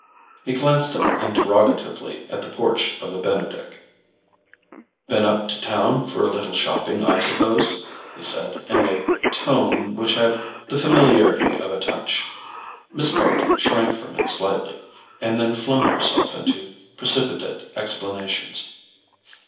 He glanced up interrogatively at the porch of the Benedick. "Been up to town for a little shopping, I suppose?" he said, in a tone which had the familiarity of a touch. Miss Bart shrank from it slightly, and then flung herself into precipitate explanations.